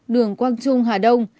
đường quang trung hà đông